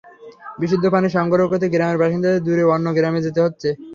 বিশুদ্ধ পানি সংগ্রহ করতে গ্রামের বাসিন্দাদের দূরে অন্য গ্রামে যেতে হচ্ছে।